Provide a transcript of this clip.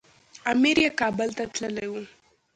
امر یې کابل ته تللی و.